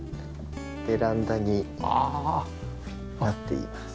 ベランダになっています。